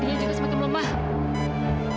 tandinya juga semakin lemah